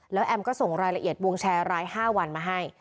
แล้วแอมก็ส่งรายละเอียดวงแชร์ราย๕วันมาให้